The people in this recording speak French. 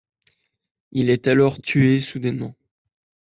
Il est alors tué soudainement.